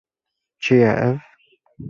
Çi ye ev?